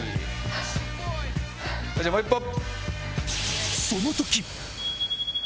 じゃあもう１本。